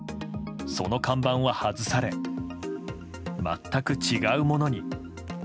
その看板は外され全く違うものに。